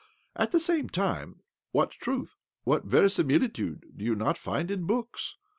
At the same time, what truth, what verisimilitude, do you not find in books